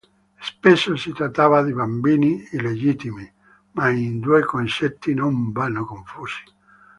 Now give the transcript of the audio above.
Spesso si trattava di bambini illegittimi, ma i due concetti non vanno confusi.